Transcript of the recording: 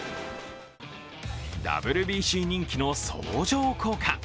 ＷＢＣ人気の相乗効果。